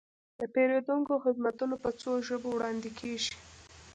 د پیرودونکو خدمتونه په څو ژبو وړاندې کیږي.